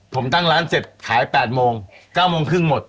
ผมตั้งร้านเสร็จขาย๘โมง๙โมงครึ่งหมด